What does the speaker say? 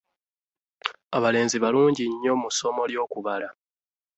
Abalenzi balungi nnyo mu ssomo ly'okubala.